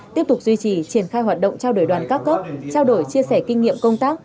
tiếp tục duy trì triển khai hoạt động trao đổi đoàn các cấp trao đổi chia sẻ kinh nghiệm công tác